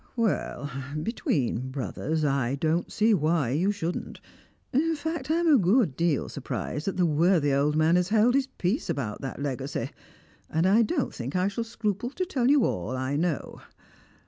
"Well, between brothers, I don't see why you shouldn't. In fact, I am a good deal surprised that the worthy old man has held his peace about that legacy, and I don't think I shall scruple to tell you all I know.